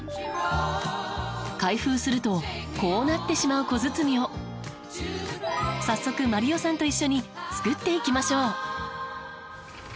開封するとこうなってしまう小包みを早速まりよさんと一緒に作っていきましょう。